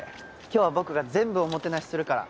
今日は僕が全部おもてなしするから。